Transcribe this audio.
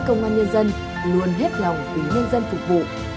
công an nhân dân luôn hết lòng vì nhân dân phục vụ